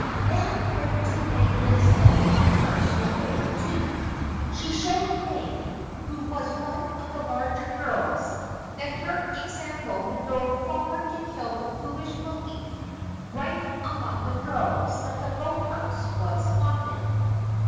Nan went to May Winslow in a personal way, too. She showed May, who was one of the larger girls, that her example would go far to kill the foolish belief rife among the girls that the boathouse was haunted.